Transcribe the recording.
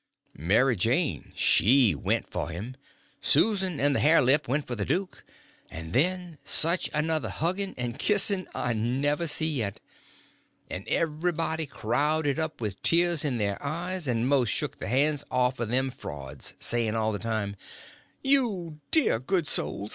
Mary Jane she went for him, Susan and the hare lip went for the duke, and then such another hugging and kissing I never see yet. And everybody crowded up with the tears in their eyes, and most shook the hands off of them frauds, saying all the time: "You dear good souls!